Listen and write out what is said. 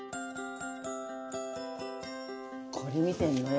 これ見てんのよ